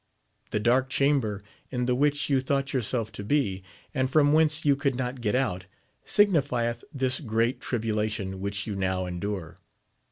The dark chamber, in the which you thought yourself to be, and from whence you could not get out, signifieth this great tribulation which you now endure.